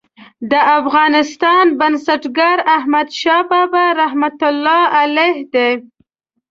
د افغانستان بنسټګر احمدشاه بابا رحمة الله علیه دی.